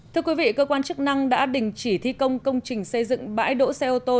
thưa quý vị cơ quan chức năng đã đình chỉ thi công công trình xây dựng bãi đỗ xe ô tô